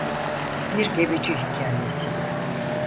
Bir Gemici Hikayesi.